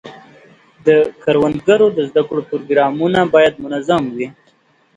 د کروندګرو د زده کړو پروګرامونه باید منظم وي.